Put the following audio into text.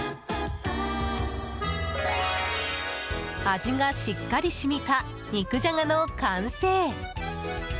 味がしっかり染みた肉じゃがの完成。